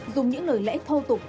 dùng những lời lẽ thô tục